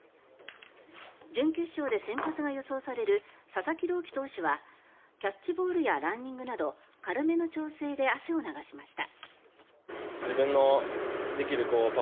準決勝で先発が予想される佐々木朗希投手はキャッチボールやランニングなど軽めの調整で汗を流しました。